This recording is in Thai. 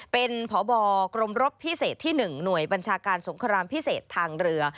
เป็นพบกรมรบพิเศษที่๑หน่วยบัญชาการสงครามพิเศษทางเรือ